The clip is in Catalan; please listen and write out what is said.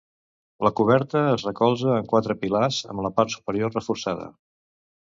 La coberta es recolza en quatre pilars amb la part superior reforçada.